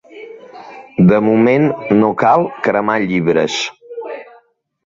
De moment no cal cremar llibres.